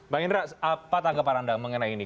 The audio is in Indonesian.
bang indra apa tanggapan anda mengenai ini